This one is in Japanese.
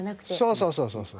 そうそうそうそう。